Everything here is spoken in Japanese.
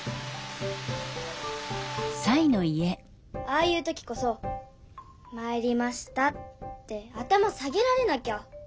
ああいう時こそ「まいりました」って頭下げられなきゃ。